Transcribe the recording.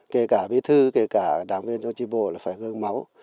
kể cả vi thư kể cả đảng viên cho chi bộ là phải ngưng máu